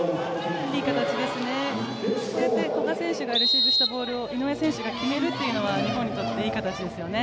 いい形ですね、古賀選手がレシーブしたボールを井上選手が決めるというのは、日本にとっていい形ですよね。